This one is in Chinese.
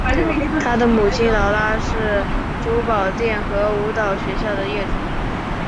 她的母亲劳拉是珠宝店和舞蹈学校的业主。